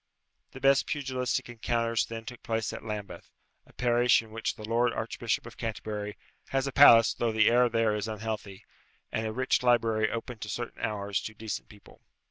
The best pugilistic encounters then took place at Lambeth, a parish in which the Lord Archbishop of Canterbury has a palace though the air there is unhealthy, and a rich library open at certain hours to decent people.